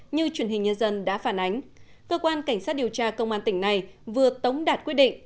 như truyền hình nhân dân đã phản ánh cơ quan cảnh sát điều tra công an tỉnh này vừa tống đạt quyết định